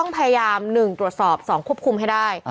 พยายาม๑ตรวจสอบ๒ควบคุมให้ได้